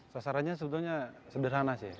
sasarannya sebenarnya sederhana sih